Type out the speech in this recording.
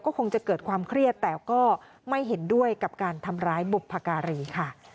คงจะเกิดความเครียดแต่ก็ไม่เห็นด้วยกับการทำร้ายบุพการีค่ะ